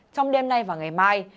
trong đêm nay và ngày mai